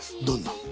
どんな？